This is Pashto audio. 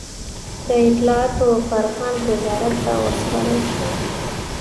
د اطلاعاتو او فرهنګ وزارت ته وسپارل شوه.